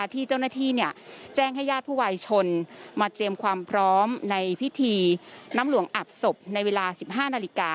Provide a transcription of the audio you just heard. ที่เจ้าหน้าที่แจ้งให้ญาติผู้วายชนมาเตรียมความพร้อมในพิธีน้ำหลวงอับศพในเวลา๑๕นาฬิกา